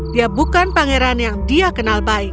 dia bukan pangeran yang dia kenal baik